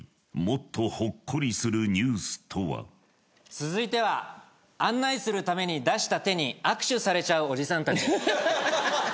続いては案内するために出した手に握手されちゃうおじさんたち。